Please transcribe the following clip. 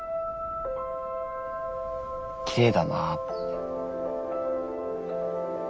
きれいだなって。